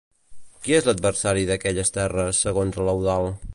Qui és l'adversari d'aquelles terres, segons l'Eudald?